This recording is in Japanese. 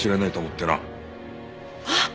あっ！